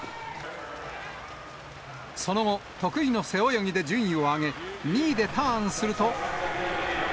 その後、得意の背泳ぎで順位を上げ、２位でターンすると。